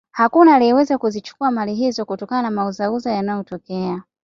hakuna aliyeweza kuzichukua mali hizo kutokana na mauzauza yanayotokea